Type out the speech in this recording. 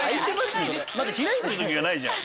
開いてる時がないじゃん。